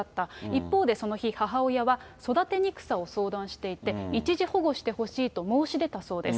一方で、その日、母親は育てにくさを相談していて、一時保護してほしいと申し出たそうです。